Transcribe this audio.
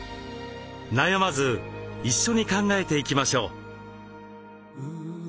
悩まず一緒に考えていきましょう。